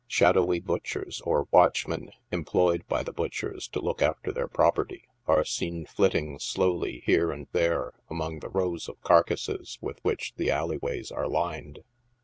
Shadowy butchers, or watchmen em ployed by the butchers to look after their properly, are seen flitting slowly here and there among the rows of carcases with which the alley ways are lined.